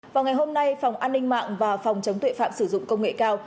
vào ngày hôm nay phòng an ninh mạng và phòng chống tuệ phạm sử dụng công nghệ cao